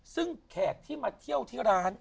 ซึ่งแขกที่มาเที่ยวที่ร้าน